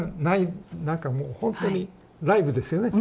なんかもうほんとにライブですよね。